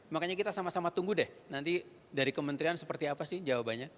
makanya kita sama sama tunggu deh nanti dari kementerian seperti apa sih jawabannya